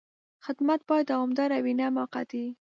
خدمت باید دوامداره وي، نه موقتي.